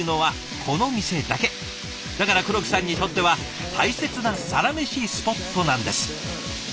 だから黒木さんにとっては大切なサラメシスポットなんです。